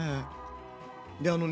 であのね